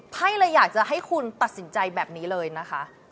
ไพ่เลยอยากจะให้คุณตัดสินใจแบบนี้เลยนะคะ